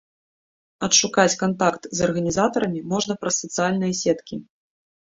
Адшукаць кантакт з арганізатарамі можна праз сацыяльныя сеткі.